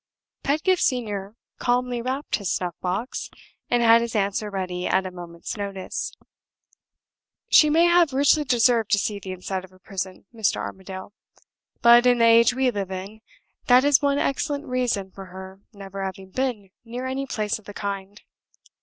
Pedgift Senior calmly rapped his snuff box, and had his answer ready at a moment's notice. "She may have richly deserved to see the inside of a prison, Mr. Armadale; but, in the age we live in, that is one excellent reason for her never having been near any place of the kind.